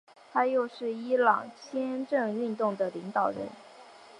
他又是伊朗宪政运动的领导人。